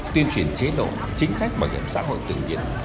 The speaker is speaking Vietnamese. tuyên truyền chế độ chính sách bảo hiểm xã hội tự nhiên